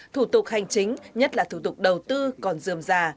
thủ tục hành chính nhất là thủ tục đầu tư còn dườm già